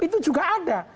itu juga ada